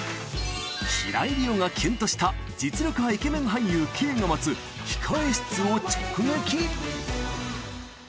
平井理央がキュンとした実力派イケメン俳優Ｋが待つ控え室を直撃。